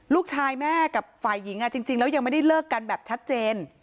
ลูกชายแม่กับฝ่ายหญิงจริงแล้วยังไม่ได้เลิกกันแบบชัดเจน